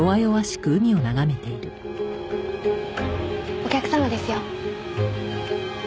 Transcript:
お客様ですよ。